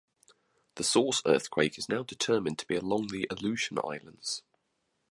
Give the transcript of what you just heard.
The source earthquake is now determined to be along the Aleutian Islands.